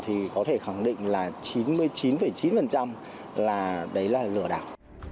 thì có thể khẳng định là chín mươi chín chín là đấy là lửa đảo